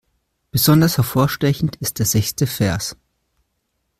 Besonders hervorstechend ist der sechste Vers.